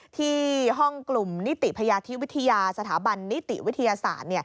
ที่ห้องกลุ่มนิติพยาธิวิทยาสถาบันนิติวิทยาศาสตร์